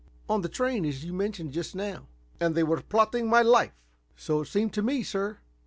"On the train, as you mentioned just now." "And they were plotting my life?" "So it seemed to me, sir."